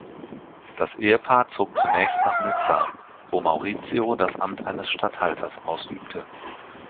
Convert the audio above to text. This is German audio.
Das Ehepaar zog zunächst nach Nizza, wo Maurizio das Amt eines Statthalters ausübte.